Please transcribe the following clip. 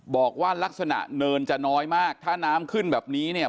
บอกว่าลักษณะเนินจะน้อยมากถ้าน้ำขึ้นแบบนี้เนี่ย